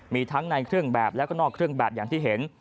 มีทั้งในเครื่องแบบแล้วก็นอกเครื่องแบบอย่างที่เห็น